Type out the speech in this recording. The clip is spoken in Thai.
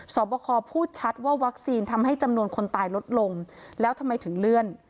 สอบคอพูดชัดว่าวัคซีนทำให้จำนวนคนตายลดลงแล้วทำไมถึงเลื่อน